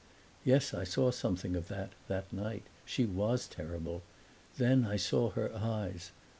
"Yes, I saw something of that, that night. She was terrible. Then I saw her eyes.